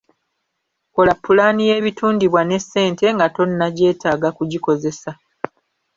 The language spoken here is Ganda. Kola pulaani y’ebitundibwa ne ssente nga tonnagyetaaga kugikozesa.